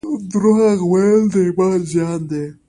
درواغ ویل د ایمان زیان دی